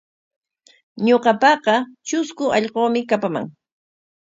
Ñuqapaqa trusku allquumi kapaman.